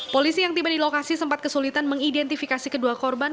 polisi yang tiba di lokasi sempat kesulitan mengidentifikasi kedua korban